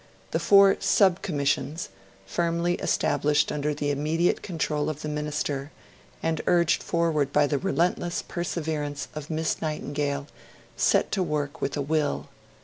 The four Sub Commissions, firmly established under the immediate control of the Minister, and urged forward by the relentless perseverance of Miss Nightingale, set to work with a will.